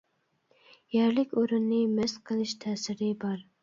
يەرلىك ئورۇننى مەست قىلىش تەسىرى بار.